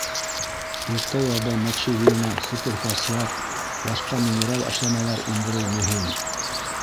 Иртә яҙҙан мочевина, суперфосфат, башҡа минераль ашламалар индереү мөһим.